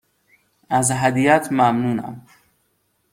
از هدیهات ممنونم.